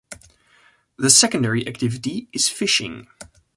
The secondary activity is fishing.